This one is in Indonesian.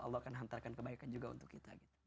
allah akan hantarkan kebaikan juga untuk kita